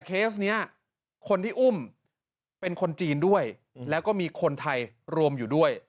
เพราะเจ้าสินใจนี่คนที่อุ้มเป็นคนจีนด้วยแล้วก็มีคนไทยรวมอยู่ด้วย